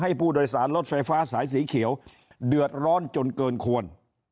ผู้โดยสารรถไฟฟ้าสายสีเขียวเดือดร้อนจนเกินควร